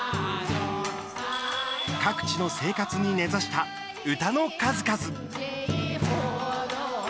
各地の生活に根ざした、唄の数々。